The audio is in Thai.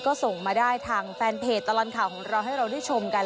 ก็ส่งมาได้ทางแฟนเพจตลอดข่าวของเราให้เราได้ชมกัน